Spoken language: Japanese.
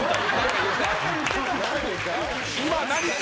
今何か。